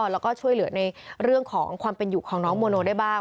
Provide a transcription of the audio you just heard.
แล้วก็ช่วยเหลือในเรื่องของความเป็นอยู่ของน้องโมโนได้บ้าง